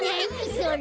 それ。